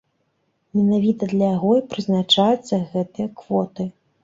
Менавіта для яго і прызначаюцца гэтыя квоты.